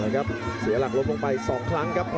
ครับเสียหลักลดลงไปสองครั้งครับ